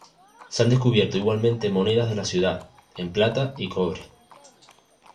Se han descubierto igualmente monedas de la ciudad, en plata y cobre.